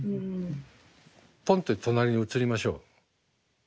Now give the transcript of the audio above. ポンって隣に移りましょう。